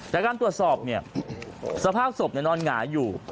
จากการตรวจสอบเนี่ยสภาพศพนอนหงายอยู่